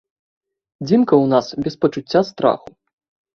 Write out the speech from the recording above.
Дзімка ў нас без пачуцця страху.